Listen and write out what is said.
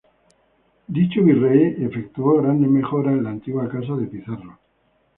Dicho virrey efectuó grandes mejoras en la antigua casa de Pizarro.